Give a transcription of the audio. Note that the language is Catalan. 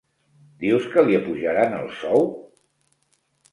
Dius que li apujaran el sou?